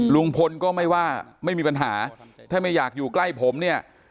ลุงพลก็ไม่ว่าไม่มีปัญหาถ้าไม่อยากอยู่ใกล้ผมเนี่ย